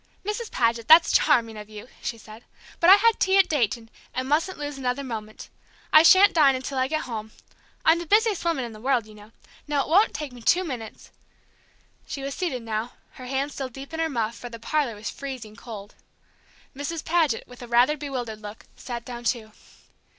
"Mrs. Paget, that's charming of you," she said. "But I had tea at Dayton, and mustn't lose another moment. I shan't dine until I get home. I'm the busiest woman in the world, you know. Now, it won't take me two minutes " She was seated now, her hands still deep in her muff, for the parlor was freezing cold. Mrs. Paget, with a rather bewildered look, sat down, too.